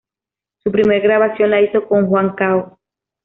Su primer grabación la hizo con Juan Cao.